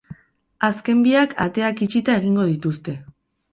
Azken biak ateak itxita egingo dituzte.